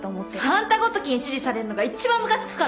あんたごときに指示されんのが一番ムカつくから！